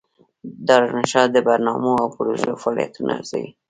دارالانشا د برنامو او پروژو فعالیتونه ارزوي.